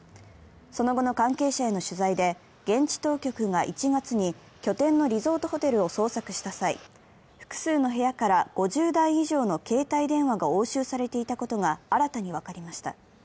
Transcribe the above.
その後の関係者への取材で、現地当局が１月に拠点のリゾートホテルを捜索した際、複数の部屋から５０台以上の携帯電話が押収されていたことが新たに分かりました。